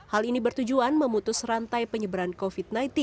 hal ini bertujuan memutus rantai penyebaran covid sembilan belas